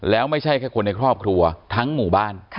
แล้วไม่ใช่แค่คนในครอบครัวทั้งหมู่บ้าน